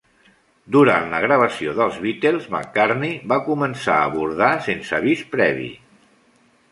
Durant la gravació dels Beatles, McCartney va començar a bordar sense avís previ.